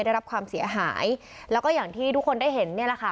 ได้รับความเสียหายแล้วก็อย่างที่ทุกคนได้เห็นเนี่ยแหละค่ะ